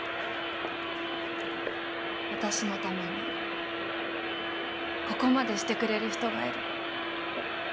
私のためにここまでしてくれる人がいる。